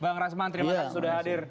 bang rasman terima kasih sudah hadir